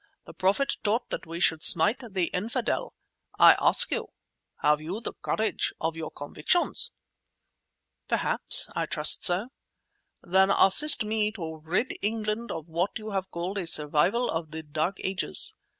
The Prophet taught that we should smite the Infidel. I ask you—have you the courage of your convictions?" "Perhaps; I trust so." "Then assist me to rid England of what you have called a survival of the dark ages.